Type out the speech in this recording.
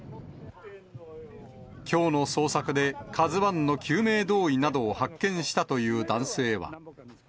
きょうの捜索で、カズワンの救命胴衣などを発見したという男性は。